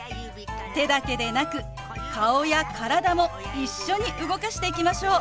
手だけでなく顔や体も一緒に動かしていきましょう！